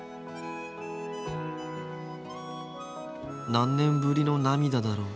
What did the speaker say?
何年ぶりの涙だろう。